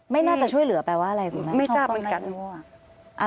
ไม่น่าจะช่วยเหลือแปลว่าอะไรคุณแม่ไม่ทราบเหมือนกัน